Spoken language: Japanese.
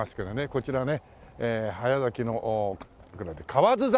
こちらね早咲きの河津桜。